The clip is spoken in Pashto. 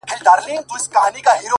o چي د وگړو څه يې ټولي گناه كډه كړې،